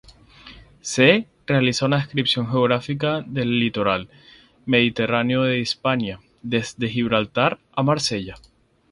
C, realiza una descripción geográfica del litoral mediterráneo de Hispania, desde Gibraltar a Marsella.